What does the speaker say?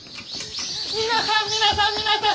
皆さん皆さん皆さん！